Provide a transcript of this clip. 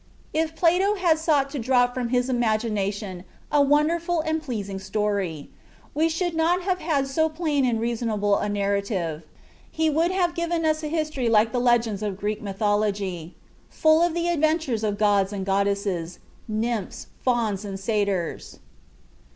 If Plato had sought to draw from his imagination a wonderful and pleasing story, we should not have had so plain and reasonable a narrative. He would have given us a history like the legends of Greek mythology, full of the adventures of gods and goddesses, nymphs, fauns, and satyrs.